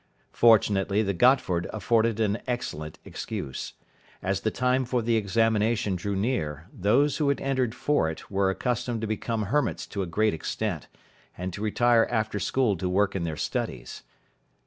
Fortunately the Gotford afforded an excellent excuse. As the time for the examination drew near, those who had entered for it were accustomed to become hermits to a great extent, and to retire after school to work in their studies.